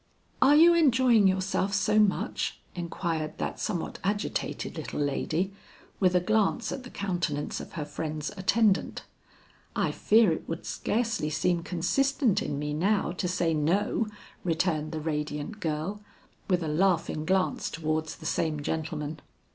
"Are you enjoying yourself so much?" inquired that somewhat agitated little lady, with a glance at the countenance of her friend's attendant. "I fear it would scarcely seem consistent in me now to say no," returned the radiant girl, with a laughing glance towards the same gentleman.